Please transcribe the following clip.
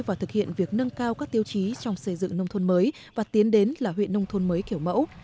và thực hiện việc nâng cao các tiêu chí trong xây dựng nông thôn mới và tiến đến là huyện nông thôn mới kiểu mẫu